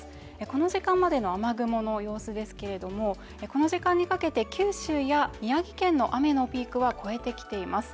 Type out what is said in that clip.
この時間までの雨雲の様子ですけどもこの時間にかけて九州や宮城県の雨のピークは超えてきています。